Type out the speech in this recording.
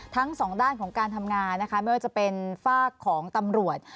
ทั้งสองด้านของการทำงานนะคะไม่ว่าจะเป็นฝากของตำรวจ